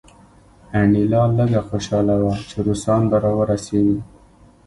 انیلا لږه خوشحاله وه چې روسان به راورسیږي